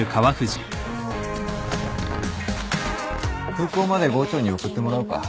空港まで郷長に送ってもらうか？